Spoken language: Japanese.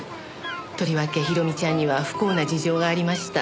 とりわけひろみちゃんには不幸な事情がありました。